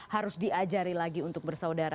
harus diajari lagi untuk bersaudara